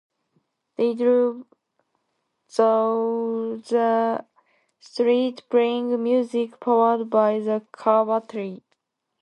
They drove through the streets playing music powered by the car battery.